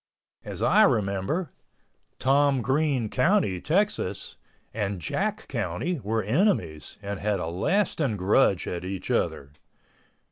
As I remember, Tom Green County, Texas, and Jack County were enemies and had a lasting grudge at each other.